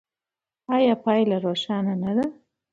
ایا پایله روښانه ده؟